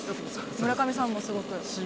村上さんもすごく。